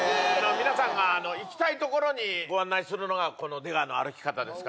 皆さんが行きたい所にご案内するのがこの「出川の歩き方」ですから。